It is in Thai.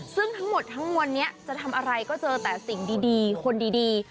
ซึ่งทั้งหมดทั้งมวลนี้จะทำอะไรก็เจอแต่สิ่งดีคนดี